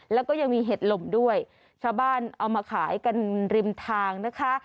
แล้วก็ยังมีเห็ดลมด้วยชาวบ้านเอามาขายกันริมทางนะคะ